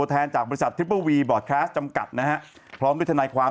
โอมรักชมพู่โอมไหนกับชมพู่ไหนเนี่ย